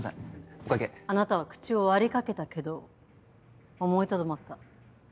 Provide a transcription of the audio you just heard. お会計あなたは口を割りかけたけど思いとどまった。